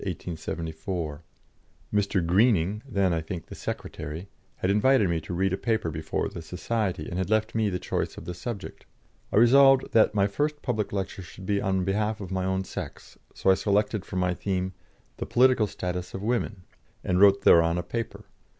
Mr. Greening then, I think, the secretary had invited me to read a paper before the society, and had left me the choice of the subject. I resolved that my first public lecture should be on behalf of my own sex, so I selected for my theme, "The Political Status of Women," and wrote thereon a paper.